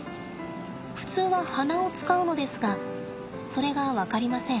ふつうは鼻を使うのですがそれが分かりません。